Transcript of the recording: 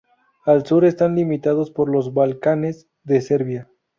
Al sur están limitados por los Balcanes de Serbia.